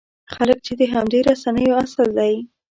خلک چې د همدې رسنیو اصل دی.